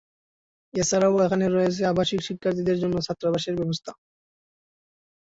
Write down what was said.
এছাড়াও এখানে রয়েছে আবাসিক শিক্ষার্থীদের জন্য ছাত্রাবাসের ব্যবস্থা।